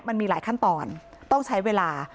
มันมีหลายขั้นตอนต้องใช้เวลา